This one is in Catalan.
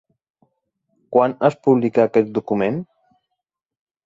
Quan es publica aquest document?